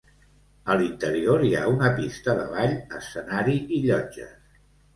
A l'interior, hi ha una pista de ball, escenari i llotges.